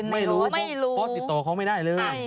ไม่รู้เพราะติดต่อเขาไม่ได้เลย